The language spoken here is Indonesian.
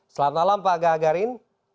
selamat malam pak gagarin